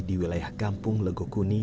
di wilayah kampung legokuni